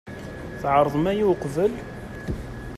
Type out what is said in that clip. Tɛerḍem aya uqbel?